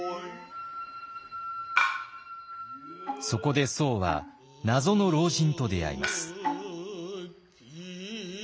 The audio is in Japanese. そこで僧は謎の老人と出会います。